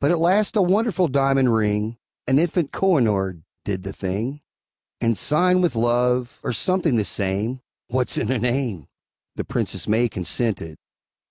But at last a wonderful diamond ring, An infant Kohinoor, did the thing, And, sighing with love, or something the same, (What's in a name?) The Princess May consented.